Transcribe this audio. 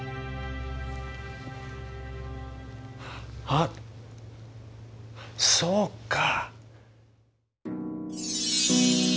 はっそうか！